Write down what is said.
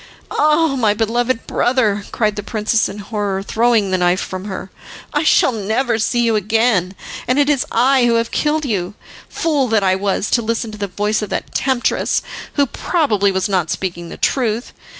"Ah! my beloved brother," cried the princess in horror, throwing the knife from her, "I shall never see you again, and it is I who have killed you. Fool that I was to listen to the voice of that temptress, who probably was not speaking the truth.